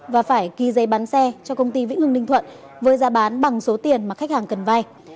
và phải ghi giấy bán xe cho công ty vĩnh hưng ninh thuận với giá bán bằng số tiền mà khách hàng cần vay